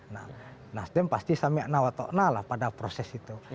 nah nasdem pasti samiaknawato'na lah pada proses itu